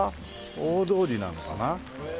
大通りなのかな？